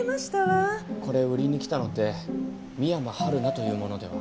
これ売りに来たのって深山春菜という者では？